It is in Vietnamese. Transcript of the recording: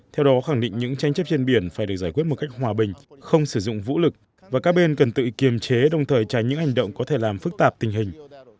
theo đó khẳng định những tranh chấp trên biển phải được giải quyết một cách hòa bình không sử dụng vũ lực và các bên cần tự kiềm chế đồng thời tránh những hành động có thể làm phức tạp tình hình